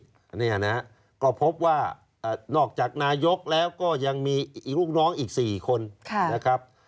นี่เนี้ยนะฮะก็พบว่าอ่ะนอกจากนายกแล้วก็ยังมีลูกน้องอีกสี่คนค่ะนะครับ